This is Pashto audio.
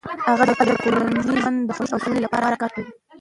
هغې د کورني ژوند د خوښۍ او سولې لپاره کار کوي.